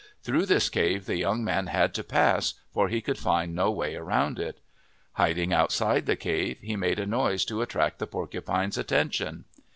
Through this cave the young man had to pass for he could find no way around it. Hiding outside the cave, he made a noise to attract the porcupine's attention.